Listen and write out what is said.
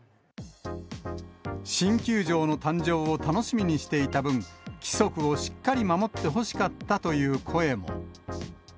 新球場の誕生を楽しみにしていた分、規則をしっかり守ってほしかったという声も。